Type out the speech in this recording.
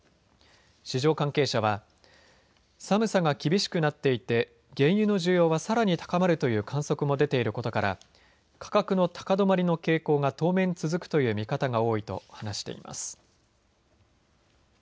市場関係者は寒さが厳しくなっていて原油の需要はさらに高まるという観測も出ていることから価格の高止まりの傾向が当面、続くという見方が多いと話しています。